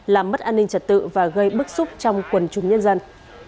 làm mất an ninh trật tự và gây bức xúc trong quần chúng nhân dân